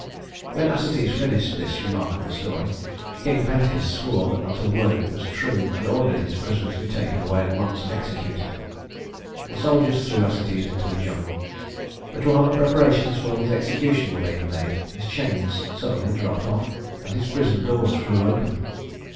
When Acetes finished this remarkable story, King Pentheus swore that not a word of it was true, and ordered his prisoner to be taken away at once and executed. The soldiers threw Acetes into a dungeon; but while the preparations for his execution were being made, his chains suddenly dropped off and his prison doors flew open.